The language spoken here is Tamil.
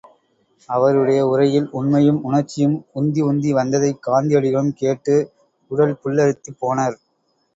அவருடைய உரையில் உண்மையும் உணர்ச்சியும் உந்தி உந்தி வந்ததைக் காந்தியடிகளும் கேட்டு உடல்புல்லரித்துப் போனர்.